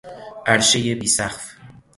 عرشهی بیسقف